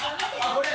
これ！